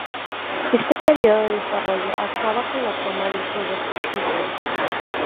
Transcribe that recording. Este período de desarrollo acabó con la toma del poder por Hitler.